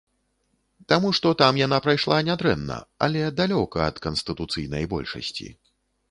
Таму што там яна прайшла нядрэнна, але далёка ад канстытуцыйнай большасці.